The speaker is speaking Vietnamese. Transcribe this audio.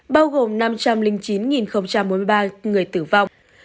bao gồm năm trăm linh chín bốn mươi ba người tử vong